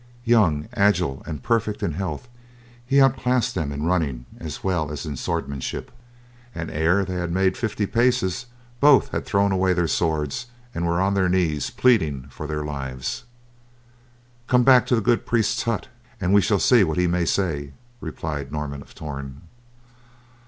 Young, agile and perfect in health, he outclassed them in running as well as in swordsmanship, and ere they had made fifty paces, both had thrown away their swords and were on their knees pleading for their lives. "Come back to the good priest's hut, and we shall see what he may say," replied Norman of Torn.